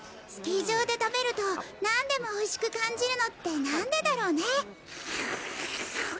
スキー場で食べるとなんでも美味しく感じるのってなんでだろうね。